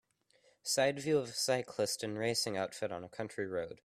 Side view of a cyclist in racing outfit on a country road.